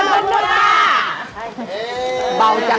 หนึ่งสองซ้ำยาดมนุษย์ป้า